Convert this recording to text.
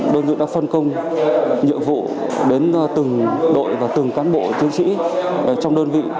đơn vị đã phân công nhiệm vụ đến từng đội và từng cán bộ chiến sĩ trong đơn vị